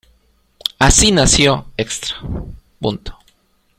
Así nació Extra.